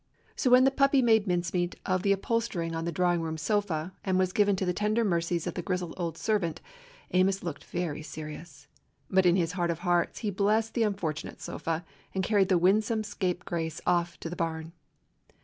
So when the puppy made mincemeat of the upholstering on the drawing room sofa and was given to the tender mercies of the grizzled old servant, Amos looked very serious ; but in his heart of hearts he blessed the un fortunate sofa, and carried the winsome scape grace off to the barn.